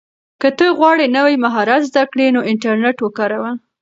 که ته غواړې نوی مهارت زده کړې نو انټرنیټ وکاروه.